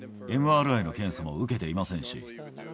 ＭＲＩの検査も受けていませんし。